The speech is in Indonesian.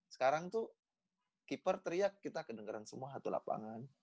sekarang tuh keeper teriak kita kedengeran semua hatu lapangan